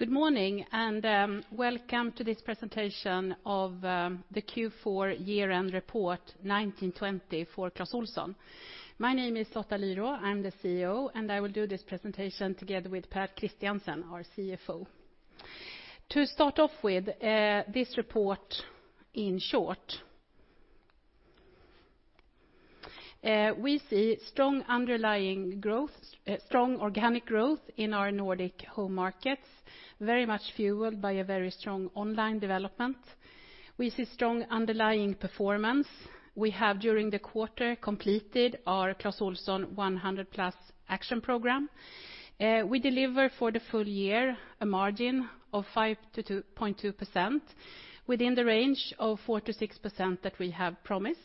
Good morning and welcome to this presentation of the Q4 year-end report 2019/2020 for Clas Ohlson. My name is Lotta Lyrå. I'm the CEO, and I will do this presentation together with Pär Christiansen, our CFO. To start off with, this report in short. We see strong underlying growth, strong organic growth in our Nordic home markets, very much fueled by a very strong online development. We see strong underlying performance. We have, during the quarter, completed our Clas Ohlson 100+ action program. We deliver for the full year a margin of 5%-2.2% within the range of 4%-6% that we have promised.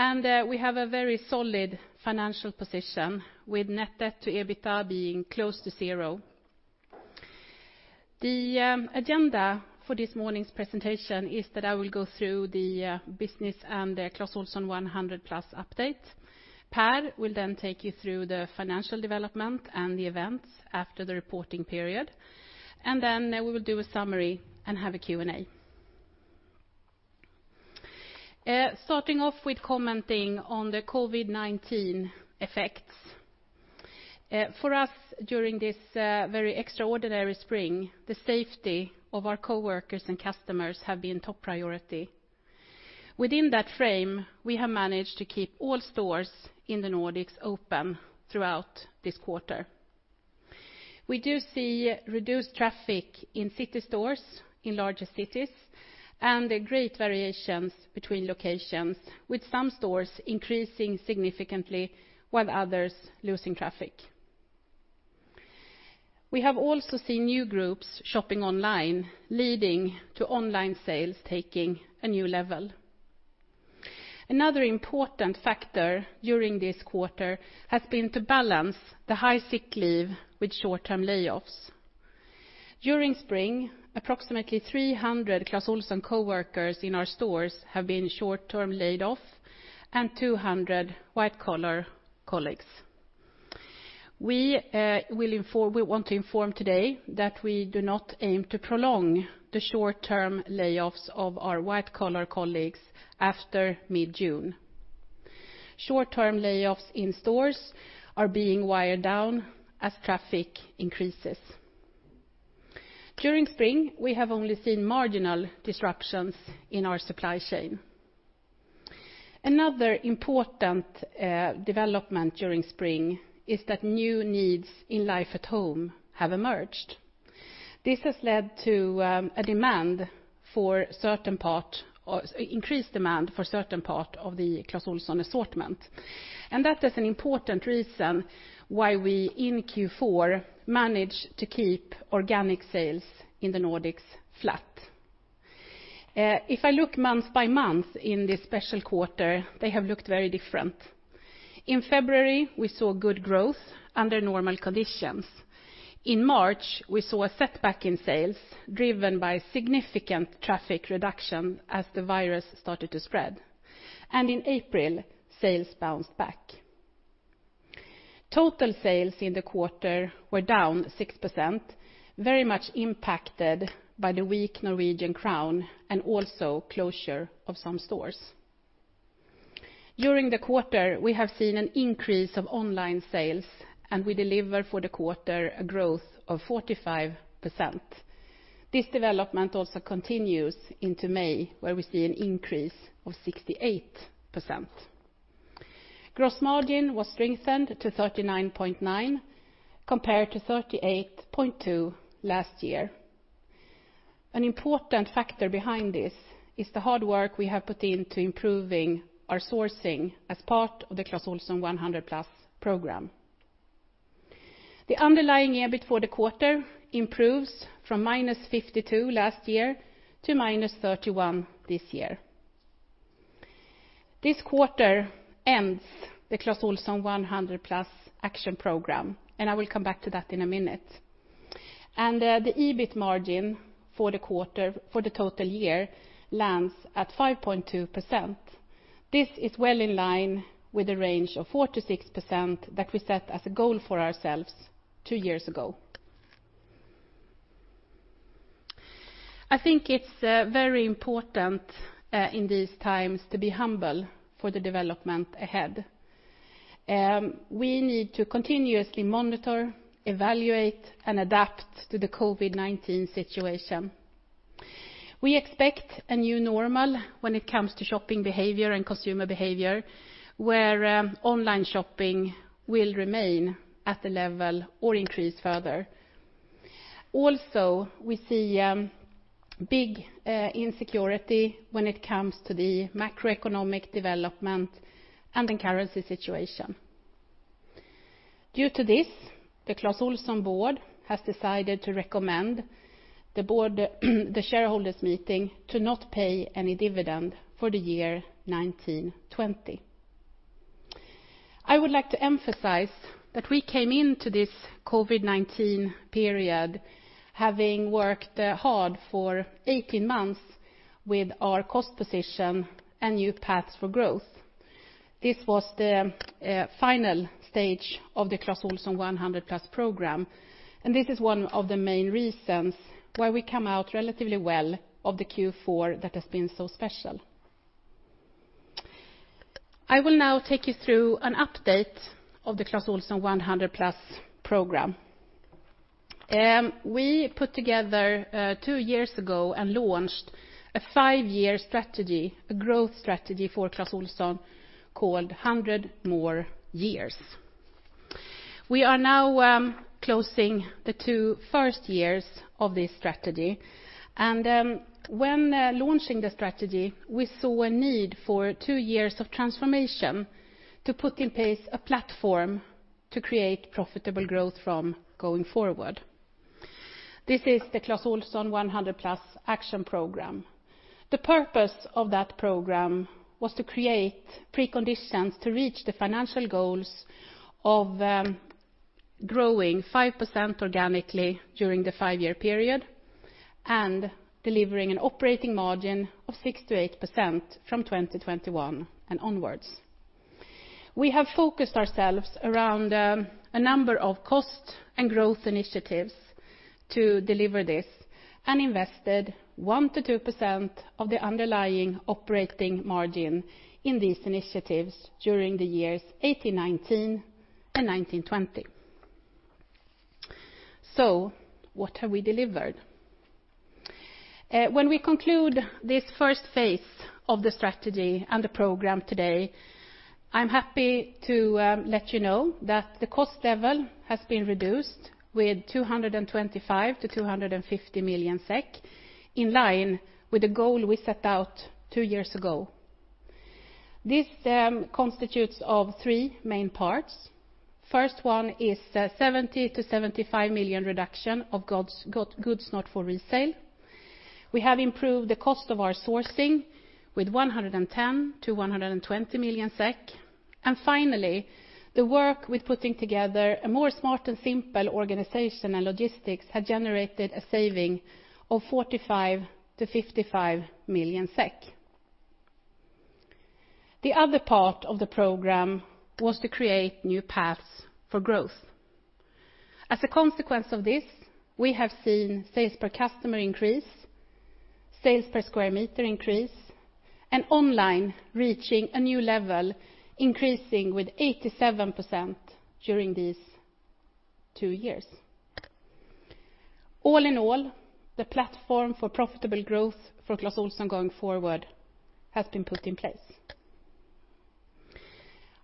We have a very solid financial position with net debt to EBITDA being close to zero. The agenda for this morning's presentation is that I will go through the business and the Clas Ohlson 100+ update. Pär will then take you through the financial development and the events after the reporting period. We will do a summary and have a Q&A. Starting off with commenting on the COVID-19 effects. For us during this very extraordinary spring, the safety of our coworkers and customers have been top priority. Within that frame, we have managed to keep all stores in the Nordics open throughout this quarter. We do see reduced traffic in city stores in larger cities and great variations between locations, with some stores increasing significantly while others losing traffic. We have also seen new groups shopping online, leading to online sales taking a new level. Another important factor during this quarter has been to balance the high sick leave with short-term layoffs. During spring, approximately 300 Clas Ohlson coworkers in our stores have been short-term laid off and 200 white collar colleagues. We want to inform today that we do not aim to prolong the short-term layoffs of our white collar colleagues after mid-June. Short-term layoffs in stores are being wired down as traffic increases. During spring, we have only seen marginal disruptions in our supply chain. Another important development during spring is that new needs in life at home have emerged. This has led to a demand for certain part or increased demand for certain part of the Clas Ohlson assortment. That is an important reason why we in Q4 managed to keep organic sales in the Nordics flat. If I look month by month in this special quarter, they have looked very different. In February, we saw good growth under normal conditions. In March, we saw a setback in sales driven by significant traffic reduction as the virus started to spread. In April, sales bounced back. Total sales in the quarter were down 6%, very much impacted by the weak Norwegian krone and also closure of some stores. During the quarter, we have seen an increase of online sales, and we deliver for the quarter a growth of 45%. This development also continues into May, where we see an increase of 68%. Gross margin was strengthened to 39.9% compared to 38.2% last year. An important factor behind this is the hard work we have put into improving our sourcing as part of the Clas Ohlson 100+ program. The underlying EBIT for the quarter improves from -52 last year to -31 this year. This quarter ends the Clas Ohlson 100+ action program, I will come back to that in a minute. The EBIT margin for the total year lands at 5.2%. This is well in line with the range of 4%-6% that we set as a goal for ourselves two years ago. I think it's very important in these times to be humble for the development ahead. We need to continuously monitor, evaluate, and adapt to the COVID-19 situation. We expect a new normal when it comes to shopping behavior and consumer behavior, where online shopping will remain at a level or increase further. We see big insecurity when it comes to the macroeconomic development and the currency situation. Due to this, the Clas Ohlson board has decided to recommend the shareholders meeting to not pay any dividend for the year 2020. I would like to emphasize that we came into this COVID-19 period having worked hard for 18 months with our cost position and new paths for growth. This was the final stage of the Clas Ohlson 100+ program. This is one of the main reasons why we come out relatively well of the Q4 that has been so special. I will now take you through an update of the Clas Ohlson 100+ program. We put together two years ago and launched a five-year strategy, a growth strategy for Clas Ohlson called 100 More Years. We are now closing the two first years of this strategy. When launching the strategy, we saw a need for two years of transformation to put in place a platform to create profitable growth from going forward. This is the Clas Ohlson 100+ action program. The purpose of that program was to create preconditions to reach the financial goals of growing 5% organically during the five year period and delivering an operating margin of 6%-8% from 2021 and onwards. We have focused ourselves around a number of cost and growth initiatives to deliver this and invested 1%-2% of the underlying operating margin in these initiatives during the years 2018-2019 and 2019-2020. What have we delivered? When we conclude this first phase of the strategy and the program today, I'm happy to let you know that the cost level has been reduced with 225 million-250 million SEK, in line with the goal we set out two years ago. This constitutes of three main parts. First one is a 70 million-75 million reduction of goods not for resale. We have improved the cost of our sourcing with 110 million-120 million SEK. Finally, the work with putting together a more smart and simple organization and logistics had generated a saving of 45 million-55 million SEK. The other part of the program was to create new paths for growth. As a consequence of this, we have seen sales per customer increase, sales per square meter increase, and online reaching a new level, increasing with 87% during these two years. All in all, the platform for profitable growth for Clas Ohlson going forward has been put in place.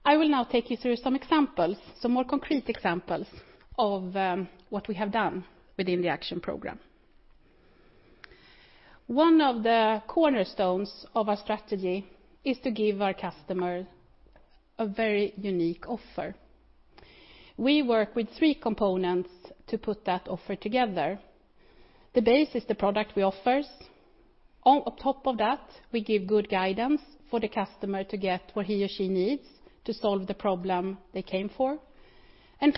I will now take you through some examples, some more concrete examples of what we have done within the action program. One of the cornerstones of our strategy is to give our customer a very unique offer. We work with three components to put that offer together. The base is the product we offers. On top of that, we give good guidance for the customer to get what he or she needs to solve the problem they came for.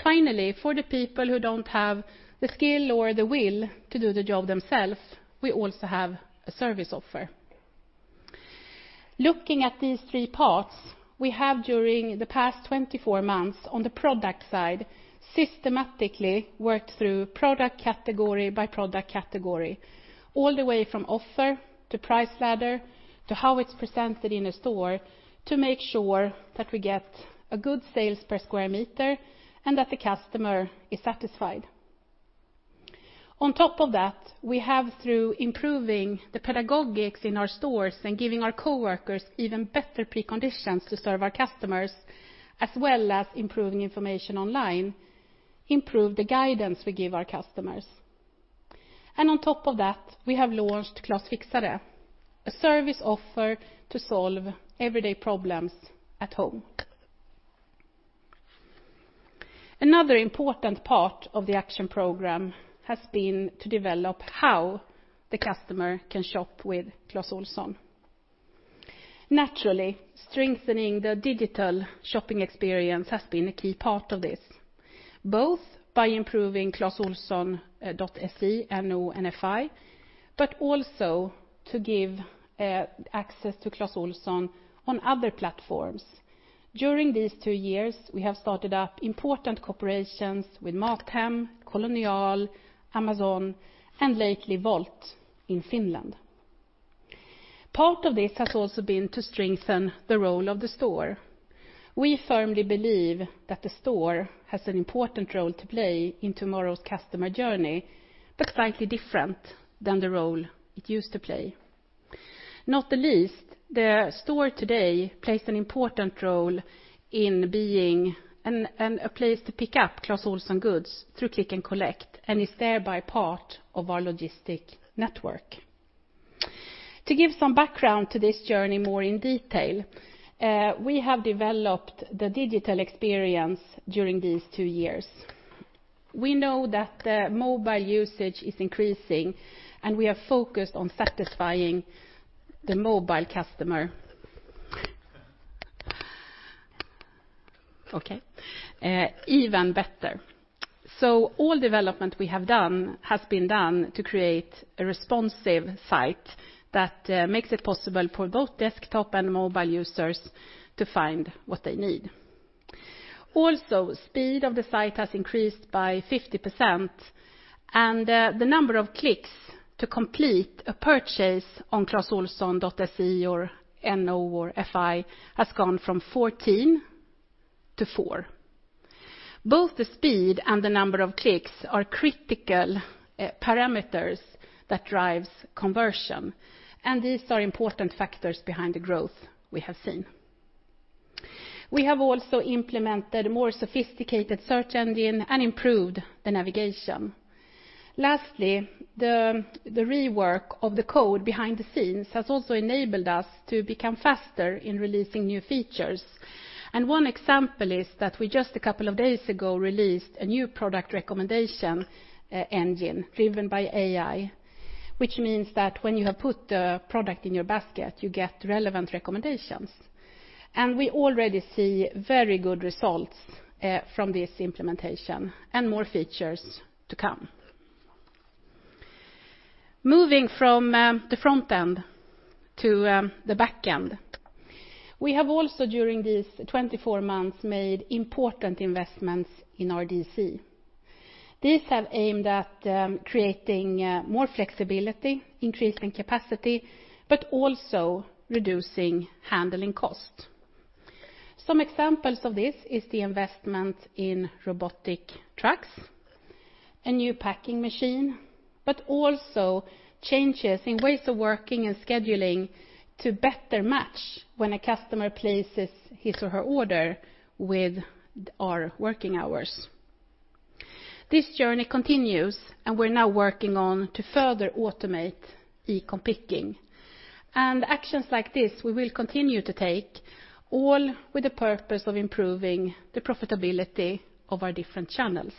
Finally, for the people who don't have the skill or the will to do the job themselves, we also have a service offer. Looking at these three parts, we have during the past 24 months on the product side, systematically worked through product category by product category, all the way from offer to price ladder to how it's presented in a store to make sure that we get a good sales per square meter and that the customer is satisfied. On top of that, we have through improving the pedagogics in our stores and giving our coworkers even better preconditions to serve our customers, as well as improving information online, improve the guidance we give our customers. On top of that, we have launched Clas Fixare, a service offer to solve everyday problems at home. Another important part of the action program has been to develop how the customer can shop with Clas Ohlson. Naturally, strengthening the digital shopping experience has been a key part of this, both by improving ClasOhlson.se, no, and fi, also to give access to Clas Ohlson on other platforms. During these these two years, we have started up important collaborations with MatHem, Kolonial, Amazon, and lately Wolt in Finland. Part of this has also been to strengthen the role of the store. We firmly believe that the store has an important role to play in tomorrow's customer journey, but frankly different than the role it used to play. Not the least, the store today plays an important role in being a place to pick up Clas Ohlson goods through Click and Collect, and is thereby part of our logistic network. To give some background to this journey more in detail, we have developed the digital experience during these two years. We know that the mobile usage is increasing, we are focused on satisfying the mobile customer Okay. Even better. All development we have done has been done to create a responsive site that makes it possible for both desktop and mobile users to find what they need. Also, speed of the site has increased by 50%, the number of clicks to complete a purchase on ClasOhlson.se or no or fi has gone from 14 to four. Both the speed and the number of clicks are critical parameters that drives conversion, these are important factors behind the growth we have seen. We have also implemented more sophisticated search engine and improved the navigation. Lastly, the rework of the code behind the scenes has also enabled us to become faster in releasing new features. One example is that we just a couple of days ago released a new product recommendation engine driven by AI, which means that when you have put the product in your basket, you get relevant recommendations. We already see very good results from this implementation and more features to come. Moving from the front end to the back end. We have also during these 24 months made important investments in our D.C. These have aimed at creating more flexibility, increasing capacity, but also reducing handling cost. Some examples of this is the investment in robotic trucks, a new packing machine, but also changes in ways of working and scheduling to better match when a customer places his or her order with our working hours. This journey continues, we're now working on to further automate e-com picking. Actions like this, we will continue to take all with the purpose of improving the profitability of our different channels.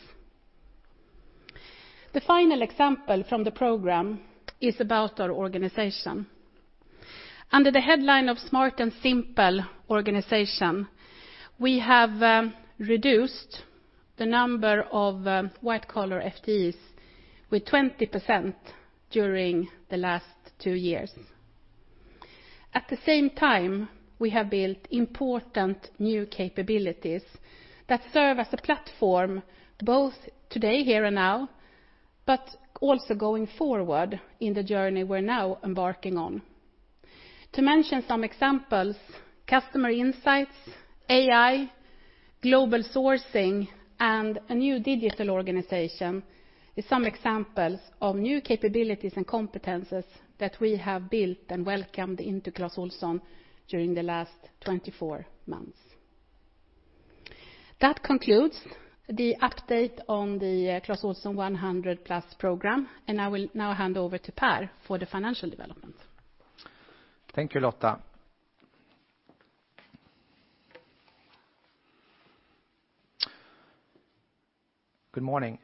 The final example from the program is about our organization. Under the headline of Smart and Simple Organization, we have reduced the number of white collar FTEs with 20% during the last two years. At the same time, we have built important new capabilities that serve as a platform both today, here and now, but also going forward in the journey we're now embarking on. To mention some examples, customer insights, AI, global sourcing, and a new digital organization is some examples of new capabilities and competences that we have built and welcomed into Clas Ohlson during the last 24 months. That concludes the update on the Clas Ohlson 100+ program, and I will now hand over to Per for the financial development. Thank you, Lotta. Good morning.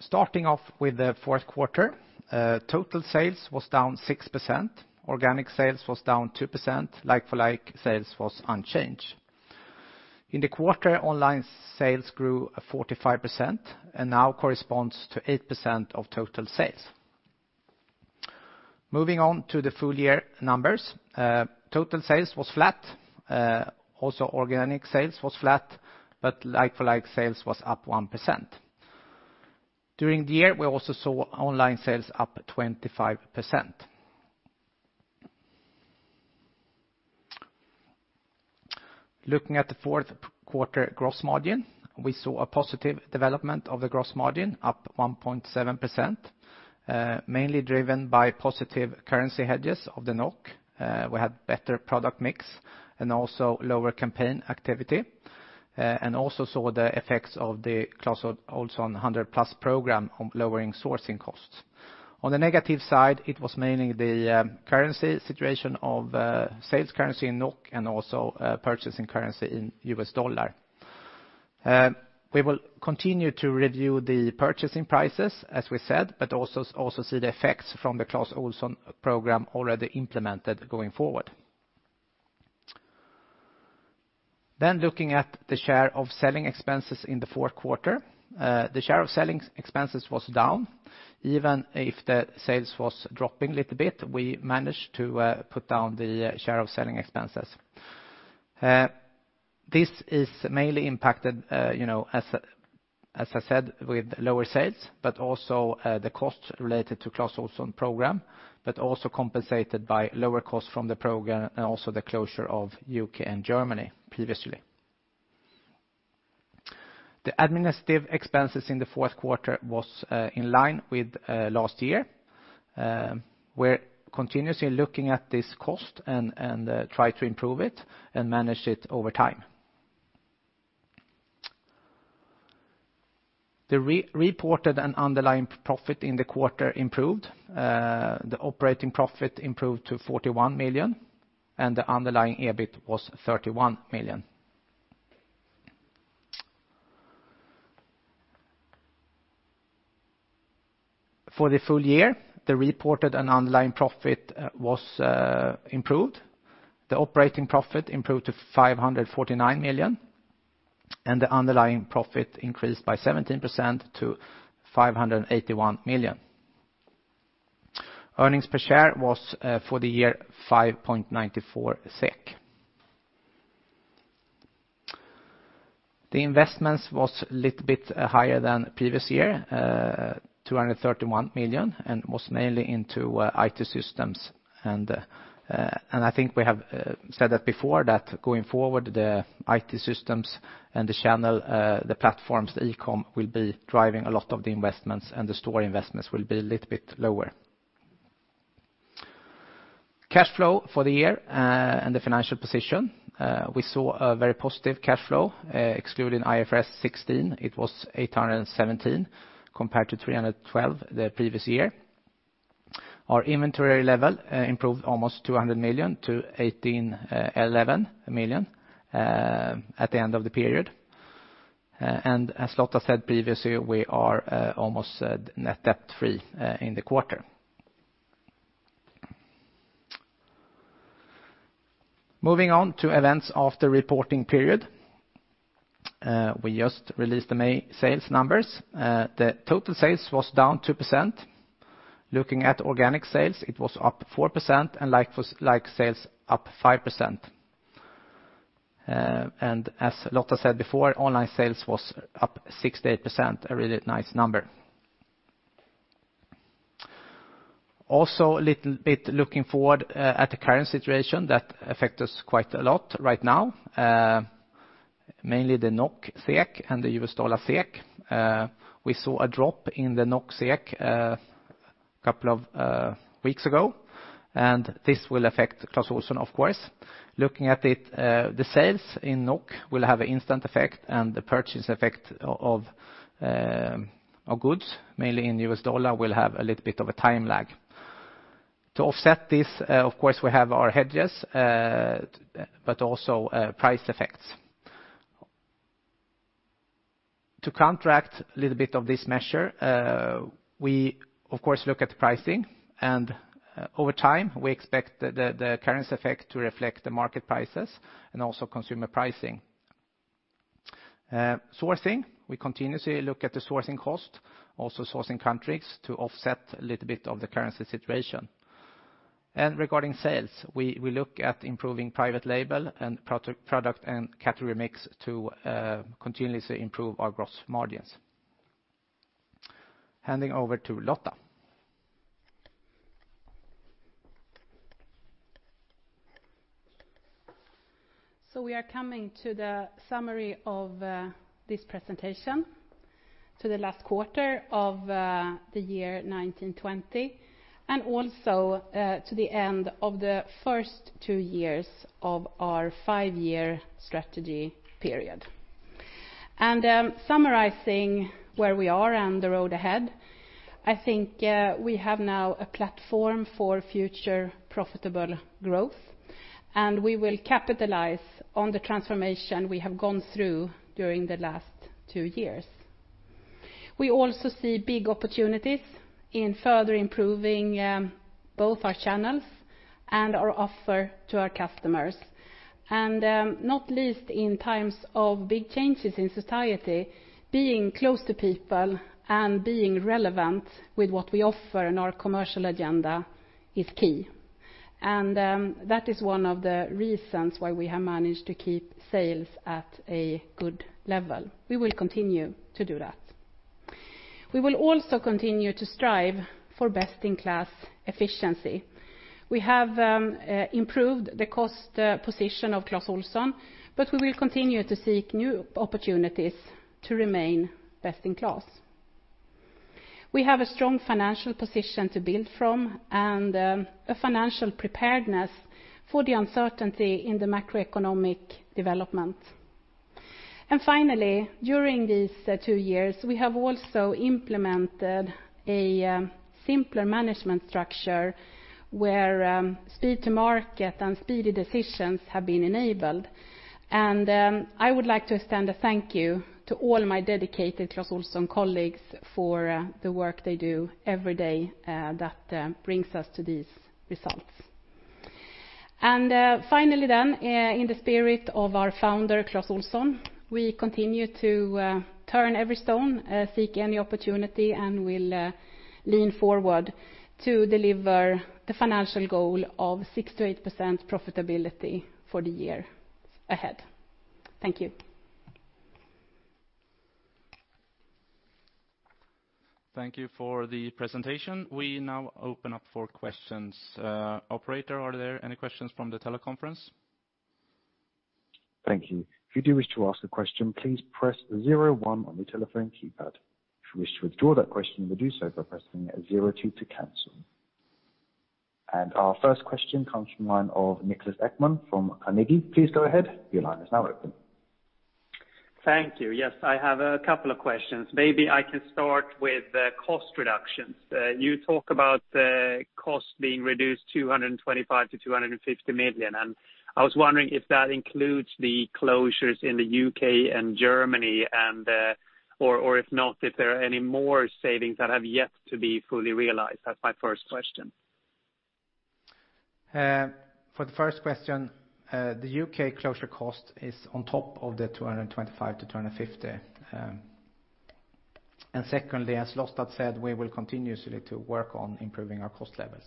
Starting off with the fourth quarter, total sales was down 6%. Organic sales was down 2%. Like-for-like sales was unchanged. In the quarter, online sales grew 45% and now corresponds to 8% of total sales. Moving on to the full year numbers, total sales was flat. Also organic sales was flat, like-for-like sales was up 1%. During the year, we also saw online sales up 25%. Looking at the fourth quarter gross margin, we saw a positive development of the gross margin up 1.7%, mainly driven by positive currency hedges of the NOK. We had better product mix and also lower campaign activity, and also saw the effects of the Clas Ohlson 100+ program on lowering sourcing costs. On the negative side, it was mainly the currency situation of sales currency in NOK and also purchasing currency in US dollar. We will continue to review the purchasing prices as we said, but also see the effects from the Clas Ohlson program already implemented going forward. Looking at the share of selling expenses in the fourth quarter. The share of selling expenses was down. Even if the sales was dropping little bit, we managed to put down the share of selling expenses. This is mainly impacted, you know, as I said, with lower sales, but also the costs related to Clas Ohlson program, but also compensated by lower costs from the program and also the closure of U.K. and Germany previously. The administrative expenses in the fourth quarter was in line with last year. We're continuously looking at this cost and try to improve it and manage it over time. The re-reported and underlying profit in the quarter improved. The operating profit improved to 41 million, and the underlying EBIT was 31 million. For the full year, the reported and underlying profit was improved. The operating profit improved to 549 million, and the underlying profit increased by 17% to 581 million. Earnings per share was for the year 5.94 SEK. The investments was a little bit higher than previous year, 231 million, and was mainly into IT systems. I think we have said that before that going forward, the IT systems and the channel, the platforms, the e-com will be driving a lot of the investments and the store investments will be a little bit lower. Cash flow for the year and the financial position, we saw a very positive cash flow, excluding IFRS 16, it was 817 compared to 312 the previous year. Our inventory level improved almost 200 million to 1,811 million at the end of the period. As Lotta said previously, we are almost net debt-free in the quarter. Moving on to events after reporting period. We just released the May sales numbers. The total sales was down 2%. Looking at organic sales, it was up 4% and like-for-like sales up 5%. As Lotta said before, online sales was up 68%, a really nice number. Also, a little bit looking forward, at the current situation that affect us quite a lot right now, mainly the NOK/SEK and the US dollar SEK. We saw a drop in the NOK/SEK, couple of weeks ago, this will affect Clas Ohlson of course. Looking at it, the sales in NOK will have an instant effect and the purchase effect of goods, mainly in US dollar, will have a little bit of a time lag. To offset this, of course, we have our hedges, but also price effects. To counteract a little bit of this measure, we of course look at the pricing and over time, we expect the currency effect to reflect the market prices and also consumer pricing. Sourcing, we continuously look at the sourcing cost, also sourcing countries to offset a little bit of the currency situation. Regarding sales, we look at improving private label and product and category mix to continuously improve our gross margins. Handing over to Lotta. We are coming to the summary of this presentation to the last quarter of the year 2019/2020, and also to the end of the first two years of our five year strategy period. Summarizing where we are and the road ahead, I think we have now a platform for future profitable growth, and we will capitalize on the transformation we have gone through during the last two years. We also see big opportunities in further improving both our channels and our offer to our customers. Not least in times of big changes in society, being close to people and being relevant with what we offer and our commercial agenda is key. That is one of the reasons why we have managed to keep sales at a good level. We will continue to do that. We will also continue to strive for best-in-class efficiency. We have improved the cost position of Clas Ohlson, but we will continue to seek new opportunities to remain best in class. We have a strong financial position to build from and a financial preparedness for the uncertainty in the macroeconomic development. Finally, during these two years, we have also implemented a simpler management structure where speed to market and speedy decisions have been enabled. I would like to extend a thank you to all my dedicated Clas Ohlson colleagues for the work they do every day that brings us to these results. Finally then, in the spirit of our founder, Clas Ohlson, we continue to turn every stone, seek any opportunity, and we'll lean forward to deliver the financial goal of 6% to 8% profitability for the year ahead. Thank you. Thank you for the presentation. We now open up for questions. Operator, are there any questions from the teleconference? Thank you. If you do wish to ask a question, please press zero one on your telephone keypad. If you wish to withdraw that question, you would do so by pressing zero two to cancel. Our first question comes from line of Niklas Ekman from Carnegie. Please go ahead. Your line is now open. Thank you. Yes, I have a couple of questions. Maybe I can start with the cost reductions. You talk about the cost being reduced 225 million-250 million. I was wondering if that includes the closures in the U.K. and Germany and, or if not, if there are any more savings that have yet to be fully realized? That's my first question. For the first question, the U.K closure cost is on top of the 225 to 250. Secondly, as Lotta Lyrå said, we will continuously to work on improving our cost levels.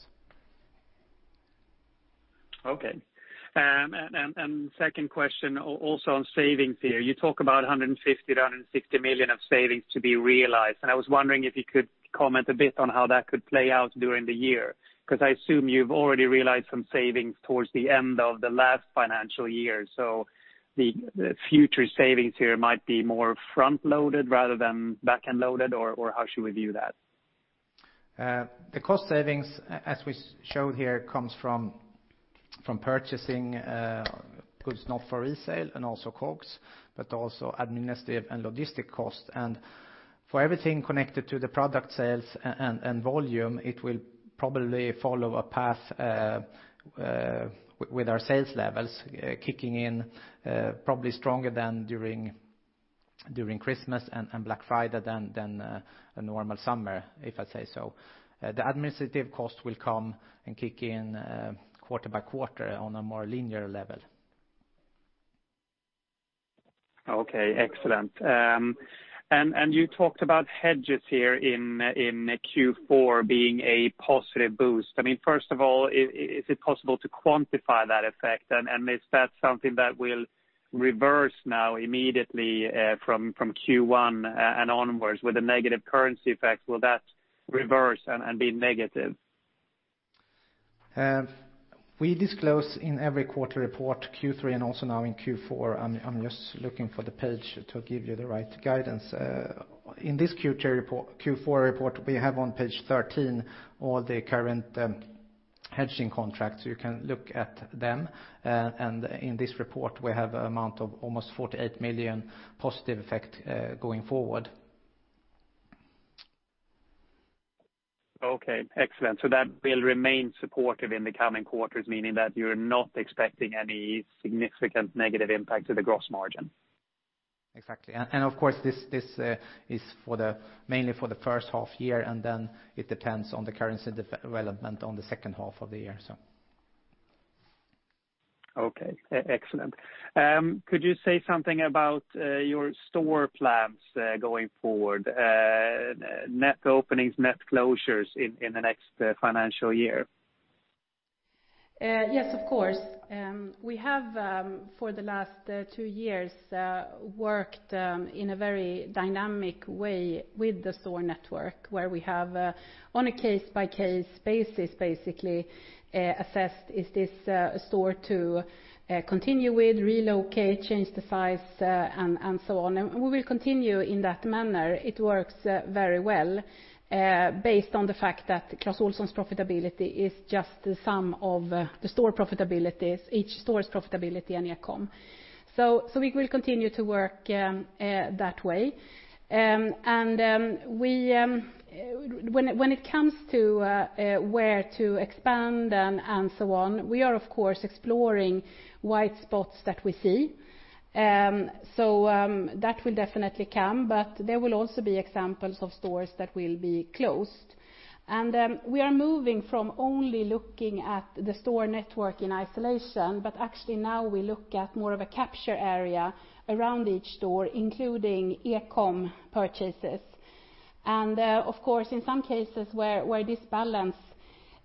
Second question, also on savings here, you talk about 150 million-160 million of savings to be realized, and I was wondering if you could comment a bit on how that could play out during the year? 'Cause I assume you've already realized some savings towards the end of the last financial year. The future savings here might be more front-loaded rather than backend loaded, or how should we view that? The cost savings, as we show here, comes from purchasing, goods not for resale and also COGS, but also administrative and logistic costs. For everything connected to the product sales and volume, it will probably follow a path, with our sales levels, kicking in, probably stronger than during Christmas and Black Friday than, a normal summer, if I say so. The administrative costs will come and kick in, quarter by quarter on a more linear level. Okay, excellent. You talked about hedges here in Q4 being a positive boost. I mean, first of all, is it possible to quantify that effect? Is that something that will reverse now immediately from Q1 and onwards with the negative currency effects, will that reverse and be negative? We disclose in every quarter report, Q3 and also now in Q4, I'm just looking for the page to give you the right guidance. In this Q4 report, we have on page 13 all the current hedging contracts. You can look at them. And in this report, we have amount of almost 48 million positive effect going forward. Okay, excellent. That will remain supportive in the coming quarters, meaning that you're not expecting any significant negative impact to the gross margin? Exactly. Of course this, is for the, mainly for the first half year, and then it depends on the currency development on the second half of the year, so. Okay, excellent. Could you say something about your store plans going forward? Net openings, net closures in the next financial year? Yes, of course. We have for the last two years worked in a very dynamic way with the store network, where we have on a case-by-case basis, basically, assessed is this store to continue with, relocate, change the size, and so on. We will continue in that manner. It works very well based on the fact that Clas Ohlson's profitability is just the sum of the store profitability, each store's profitability and e-com. We will continue to work that way. We when it comes to where to expand and so on, we are of course exploring white spots that we see. That will definitely come, but there will also be examples of stores that will be closed. We are moving from only looking at the store network in isolation, but actually now we look at more of a capture area around each store, including e-com purchases. Of course, in some cases where this balance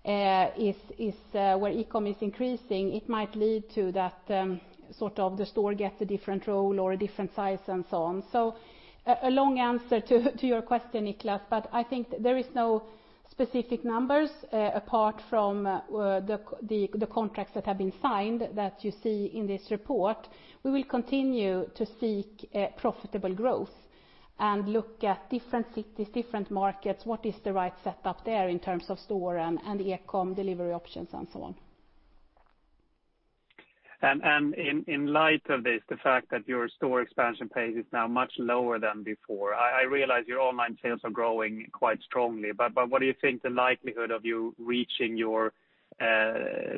is where e-com is increasing, it might lead to that sort of the store gets a different role or a different size and so on. A long answer to your question, Niklas, but I think there is no specific numbers apart from the contracts that have been signed that you see in this report. We will continue to seek profitable growth and look at different cities, different markets, what is the right setup there in terms of store and e-com delivery options and so on. In light of this, the fact that your store expansion pace is now much lower than before, I realize your online sales are growing quite strongly, what do you think the likelihood of you reaching your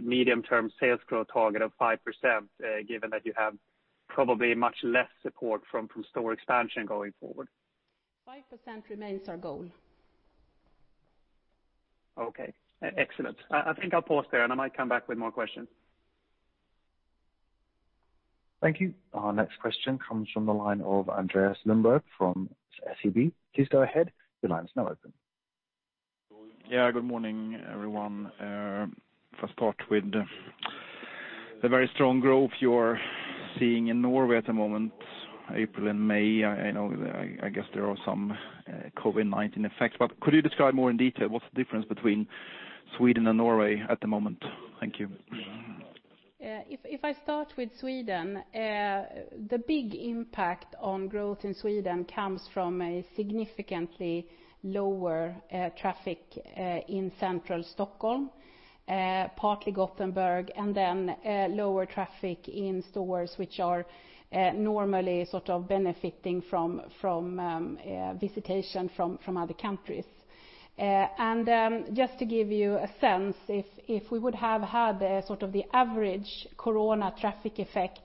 medium-term sales growth target of 5%, given that you have probably much less support from store expansion going forward? 5% remains our goal. Okay. Excellent. I think I'll pause there. I might come back with more questions. Thank you. Our next question comes from the line of Andreas Lindberg from SEB. Please go ahead. Your line is now open. Good morning, everyone. If I start with the very strong growth you're seeing in Norway at the moment, April and May, I know, I guess there are some COVID-19 effects. Could you describe more in detail what's the difference between Sweden and Norway at the moment? Thank you. Yeah. If I start with Sweden, the big impact on growth in Sweden comes from a significantly lower traffic in central Stockholm, partly Gothenburg, then lower traffic in stores which are normally sort of benefiting from visitation from other countries. Just to give you a sense, if we would have had a sort of the average corona traffic effect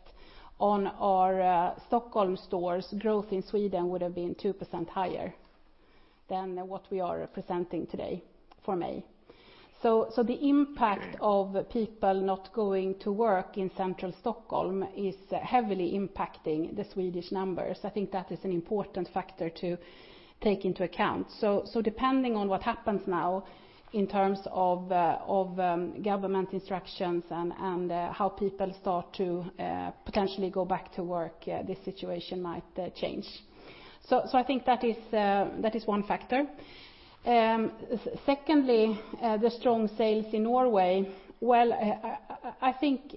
on our Stockholm stores, growth in Sweden would have been 2% higher. What we are presenting today for May. The impact of people not going to work in central Stockholm is heavily impacting the Swedish numbers. I think that is an important factor to take into account. Depending on what happens now in terms of government instructions and how people start to potentially go back to work, this situation might change. I think that is one factor. Secondly, the strong sales in Norway. Well, I think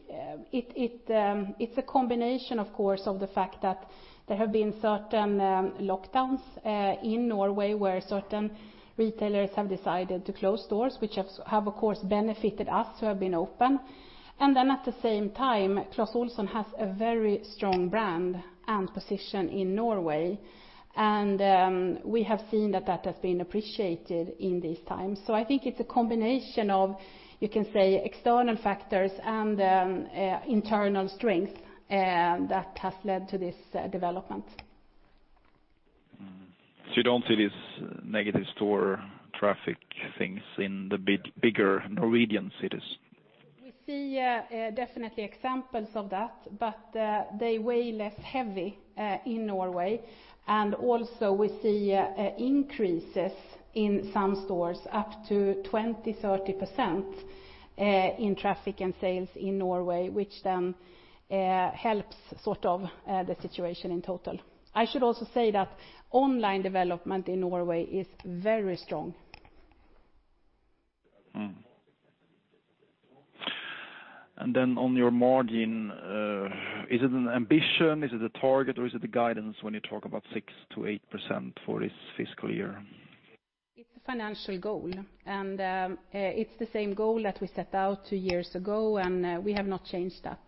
it's a combination, of course, of the fact that there have been certain lockdowns in Norway where certain retailers have decided to close stores which have of course benefited us who have been open. At the same time, Clas Ohlson has a very strong brand and position in Norway, and we have seen that that has been appreciated in these times. I think it's a combination of, you can say, external factors and, internal strength, that has led to this, development. You don't see these negative store traffic things in the bit bigger Norwegian cities? We see, definitely examples of that, but, they weigh less heavy, in Norway. Also we see, increases in some stores up to 20%, 30%, in traffic and sales in Norway, which then, helps sort of, the situation in total. I should also say that online development in Norway is very strong. Then on your margin, is it an ambition, is it a target, or is it a guidance when you talk about 6%-8% for this fiscal year? It's a financial goal. It's the same goal that we set out two years ago, and we have not changed that.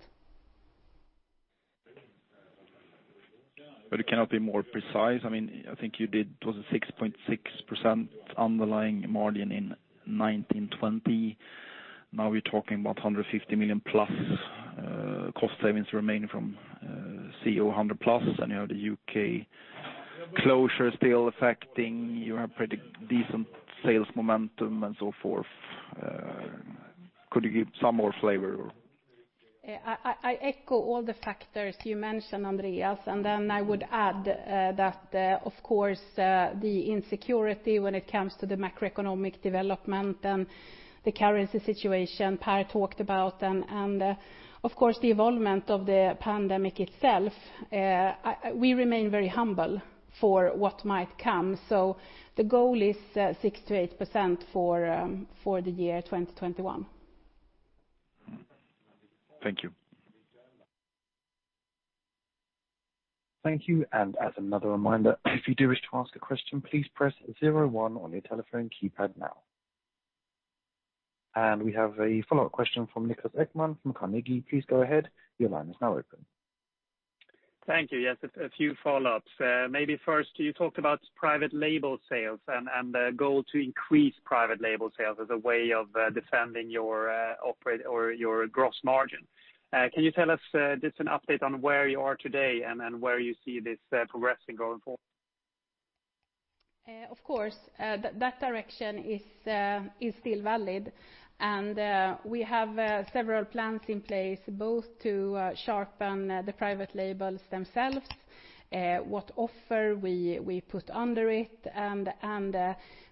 You cannot be more precise? I mean, I think you did, was it 6.6% underlying margin in 2019-2020? Now you're talking about 150 million-plus cost savings remaining from CO 100+. I know the U.K. closure is still affecting your pretty decent sales momentum and so forth. Could you give some more flavor? I echo all the factors you mentioned, Andreas, then I would add that of course, the insecurity when it comes to the macroeconomic development and the currency situation Pär talked about and of course, the evolvement of the pandemic itself. We remain very humble for what might come. The goal is 6%-8% for the year 2021. Thank you. Thank you, as another reminder, if you do wish to ask a question, please press zero one on your telephone keypad now. We have a follow-up question from Niklas Ekman from Carnegie. Please go ahead. Your line is now open. Thank you. Yes, a few follow-ups. Maybe first, you talked about private label sales and the goal to increase private label sales as a way of defending your operate or your gross margin. Can you tell us just an update on where you are today and then where you see this progressing going forward? Of course. That direction is still valid. We have several plans in place, both to sharpen the private labels themselves, what offer we put under it and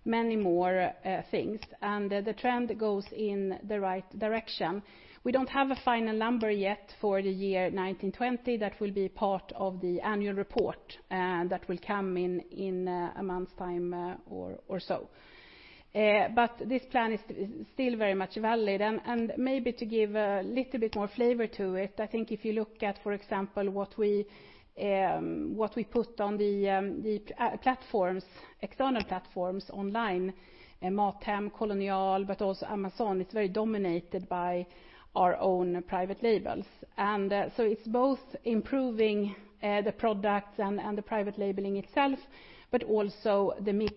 many more things. The trend goes in the right direction. We don't have a final number yet for the year 2019-2020. That will be part of the annual report that will come in a month's time or so. This plan is still very much valid. Maybe to give a little bit more flavor to it, I think if you look at, for example, what we put on the platforms, external platforms online, MatHem, Kolonial, but also Amazon, it's very dominated by our own private labels. So it's both improving the products and the private labeling itself, but also the mix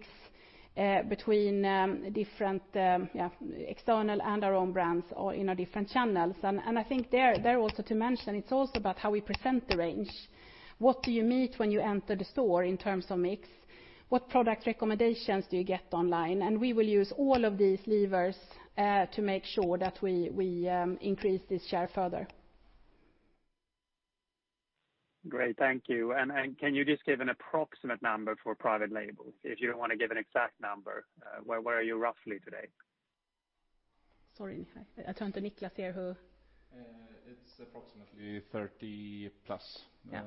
between different, yeah, external and our own brands or in our different channels. I think there also to mention, it's also about how we present the range. What do you meet when you enter the store in terms of mix? What product recommendations do you get online? We will use all of these levers to make sure that we increase this share further. Great. Thank you. Can you just give an approximate number for private labels? If you don't want to give an exact number, where are you roughly today? Sorry. I try to Niklas here who... it's approximately 30 plus. Yeah.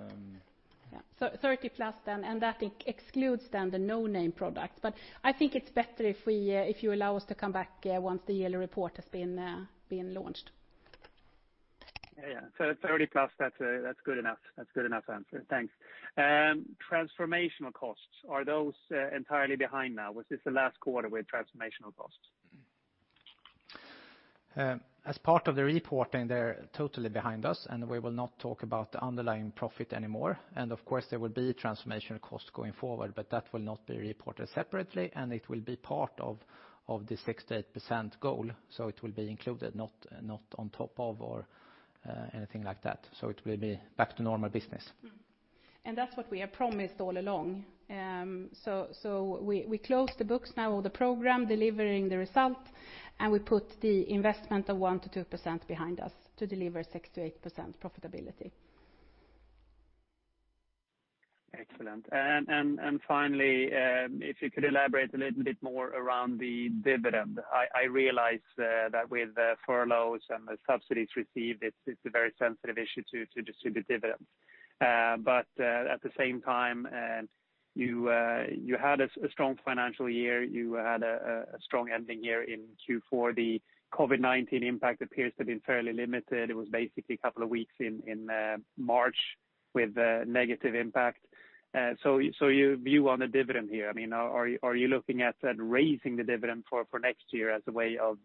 30 plus then, and that excludes then the no-name product. I think it's better if we, if you allow us to come back, once the yearly report has been launched. 30+, that's good enough. That's a good enough answer. Thanks. Transformational costs, are those entirely behind now? Was this the last quarter with transformational costs? As part of the reporting, they're totally behind us, and we will not talk about the underlying profit anymore. Of course, there will be transformational costs going forward, but that will not be reported separately, and it will be part of the 6%-8% goal. It will be included, not on top of or anything like that. It will be back to normal business. And that's what we have promised all along. So we close the books now or the program delivering the result, and we put the investment of 1%-2% behind us to deliver 6%-8% profitability. Excellent. Finally, if you could elaborate a little bit more around the dividend. I realize that with furloughs and the subsidies received, it's a very sensitive issue to distribute dividends. At the same time, you had a strong financial year, you had a strong ending year in Q4. The COVID-19 impact appears to have been fairly limited. It was basically a couple of weeks in March with a negative impact. Your view on the dividend here, I mean, are you looking at raising the dividend for next year as a way of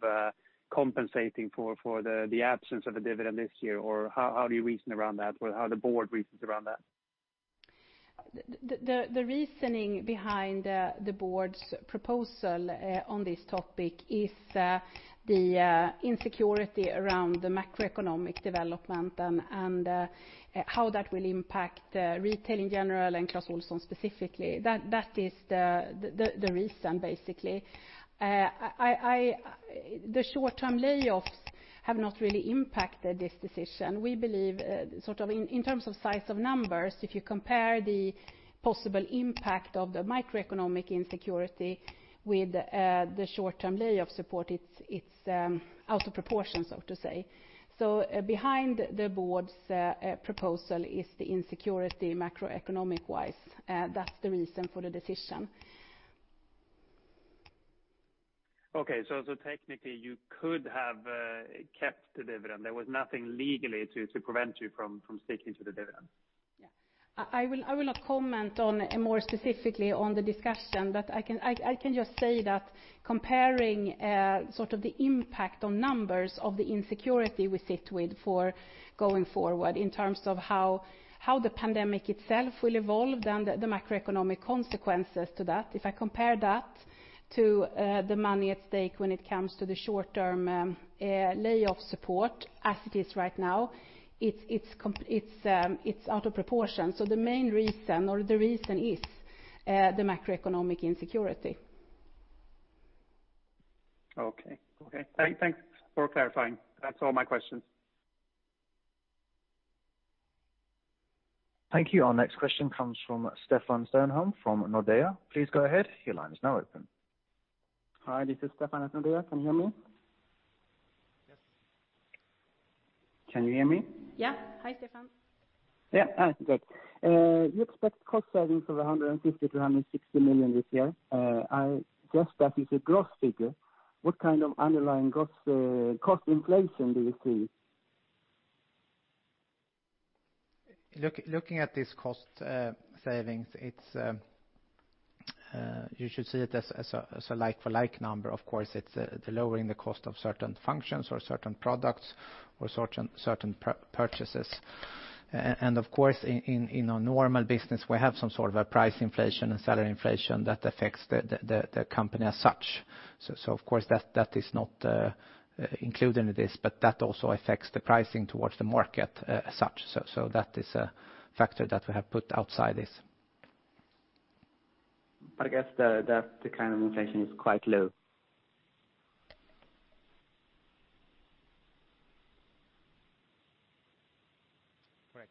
compensating for the absence of a dividend this year? How do you reason around that or how the board reasons around that? The reasoning behind the board's proposal on this topic is the insecurity around the macroeconomic development and how that will impact retail in general and Clas Ohlson specifically. That is the reason, basically. The short-term layoffs have not really impacted this decision. We believe sort of in terms of size of numbers, if you compare the possible impact of the macroeconomic insecurity with the short-term layoff support, it's out of proportion, so to say. Behind the board's proposal is the insecurity macroeconomic-wise. That's the reason for the decision. Technically, you could have kept the dividend. There was nothing legally to prevent you from sticking to the dividend. Yeah. I will not comment on, more specifically on the discussion, but I can just say that comparing, sort of the impact on numbers of the insecurity we sit with for going forward in terms of how the pandemic itself will evolve and the macroeconomic consequences to that, if I compare that to the money at stake when it comes to the short-term layoff support as it is right now, it's out of proportion. The main reason or the reason is the macroeconomic insecurity. Okay. Okay. Thanks for clarifying. That's all my questions. Thank you. Our next question comes from Stefan Stjernholm from Nordea. Please go ahead. Your line is now open. Hi, this is Stefan at Nordea. Can you hear me? Yes. Can you hear me? Yeah. Hi, Stefan. Yeah. Good. You expect cost savings of 150 million-160 million this year. I guess that is a gross figure. What kind of underlying gross cost inflation do you see? Look, looking at these cost savings, it's you should see it as a like-for-like number. Of course, it's the lowering the cost of certain functions or certain products or certain purchases. Of course, in a normal business, we have some sort of a price inflation and salary inflation that affects the company as such. Of course, that is not included in this, but that also affects the pricing towards the market as such. That is a factor that we have put outside this. I guess the kind of inflation is quite low. Correct.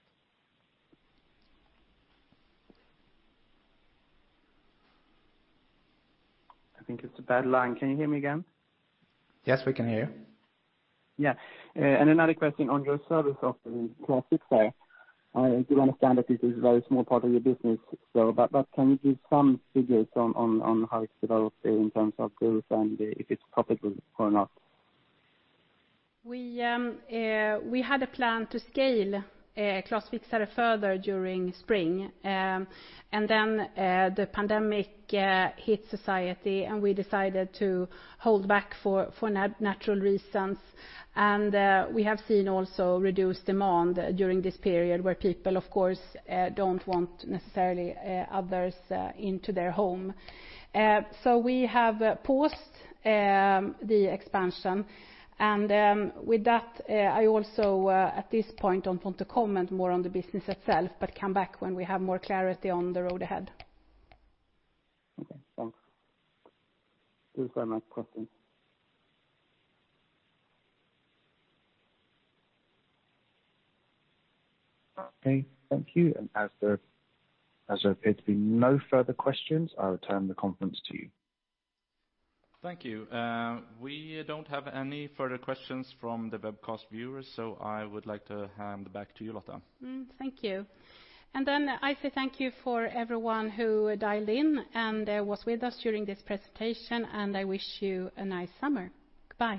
I think it's a bad line. Can you hear me again? Yes, we can hear you. Yeah. Another question on your service offering, Clas Fixare. I do understand that this is a very small part of your business, but can you give some figures on how it's developed in terms of growth and if it's profitable or not? We had a plan to scale Clas Fixare further during spring. The pandemic hit society, and we decided to hold back for natural reasons. We have seen also reduced demand during this period where people, of course, don't want necessarily others into their home. We have paused the expansion. With that, I also at this point don't want to comment more on the business itself, but come back when we have more clarity on the road ahead. Okay, thanks. Those are my questions. Okay, thank you. As there appear to be no further questions, I'll return the conference to you. Thank you. We don't have any further questions from the webcast viewers, so I would like to hand back to you, Lotta. Thank you. I say thank you for everyone who dialed in and was with us during this presentation, and I wish you a nice summer. Goodbye.